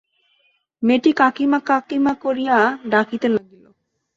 মেয়েটি কাকীমা কাকীমা করিয়া ডাকিতে লাগিল।